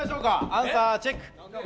アンサーチェック！